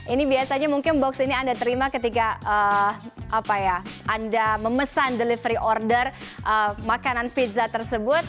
ini biasanya mungkin box ini anda terima ketika anda memesan delivery order makanan pizza tersebut